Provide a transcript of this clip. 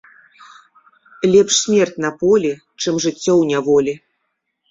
Лепш смерць на полі, чым жыццё ў няволі